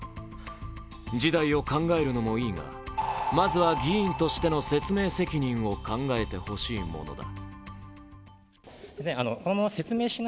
次代を考えるのもいいいが、まずは議員としての説明責任を考えてほしいものだ。